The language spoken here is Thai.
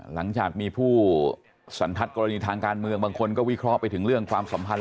หลังจากมีผู้สันทัศน์กรณีทางการเมืองบางคนก็วิเคราะห์ไปถึงเรื่องความสัมพันธ์